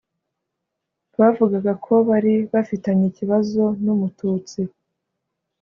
bavugaga ko bari bafitanye ikibazo n' umututsi.